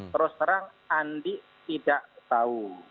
terus terang andi tidak tahu